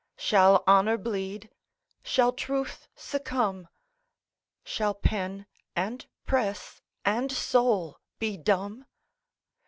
Shall Honor bleed? shall Truth succumb? Shall pen, and press, and soul be dumb?